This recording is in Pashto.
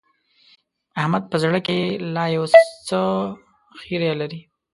احمد په زړه کې لا يو څه خيره لري.